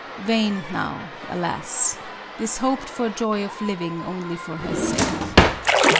Vain now^ alas ! this hoped for joy of living only for her sake.